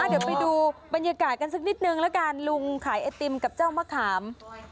เดี๋ยวไปดูบรรยากาศกันสักนิดนึงละกันลุงขายไอติมกับเจ้ามะขาม